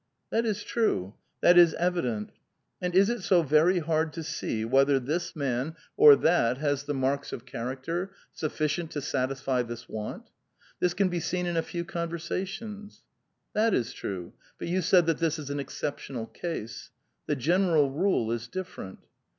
"That is true. That is evident." " And is it so very hard to see whether this man or that 440 A VITAL QUESTION. has the marks of character siifficient to satisfy this want? This can be seen in a few conversations." *'*' That is true ; but you said that this is an exceptional case. The general rule is different."